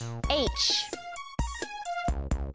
Ｈ！